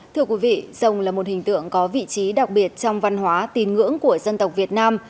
thưa quý vị rồng là một hình tượng có vị trí đặc biệt trong văn hóa tin ngưỡng của dân tộc việt nam